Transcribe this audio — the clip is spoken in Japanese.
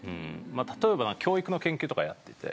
例えば教育の研究とかやってて。